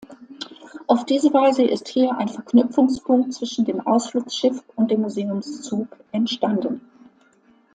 Auf diese Weise ist hier ein Verknüpfungspunkt zwischen dem Ausflugsschiff und dem Museumszug entstanden.